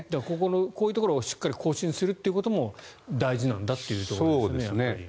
こういうところをしっかり更新するということも大事なんだというところですよね。